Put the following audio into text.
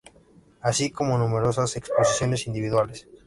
Así, como numerosas exposiciones individuales.